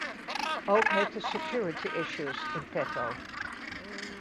Ook heeft het security issues in petto.